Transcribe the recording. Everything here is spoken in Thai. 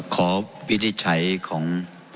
ขอวิธีใช้ของ